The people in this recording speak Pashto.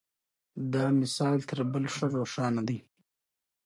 دا مثال تر بل ښه روښانه دی.